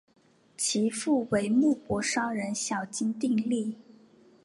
其父为木棉商人小津定利。